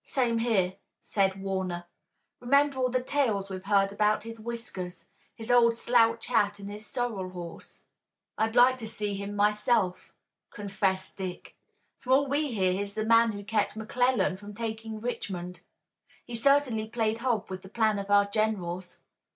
"Same here," said Warner. "Remember all the tales we've heard about his whiskers, his old slouch hat and his sorrel horse." "I'd like to see him myself," confessed Dick. "From all we hear he's the man who kept McClellan from taking Richmond. He certainly played hob with the plans of our generals.